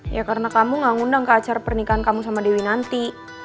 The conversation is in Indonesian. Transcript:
ya karena kamu gak ngundang ke acara pernikahan kamu sama dewi nanti